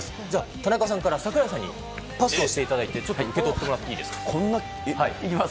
田中さんから櫻井さんにパスをしてもらって受け取ってもらっていいですか。